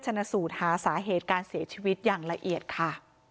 ชนะสูตรหาสาเหตุการเสียชีวิตอย่างละเอียดค่ะ